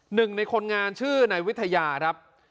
หนึ่งในคนงานชื่อนายวิทยาครับ